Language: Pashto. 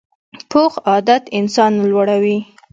پوخ عادت انسان لوړوي